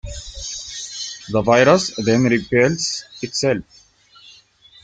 The virus then rebuilds itself.